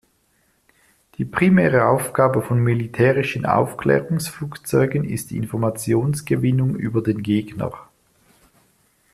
Die primäre Aufgabe von militärischen Aufklärungsflugzeugen ist die Informationsgewinnung über den Gegner.